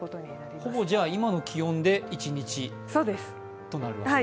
ほぼ今の気温で一日となるわけですか。